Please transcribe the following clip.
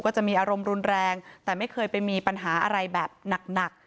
จะมีอารมณ์รุนแรงแต่ไม่เคยไปมีปัญหาอะไรแบบหนัก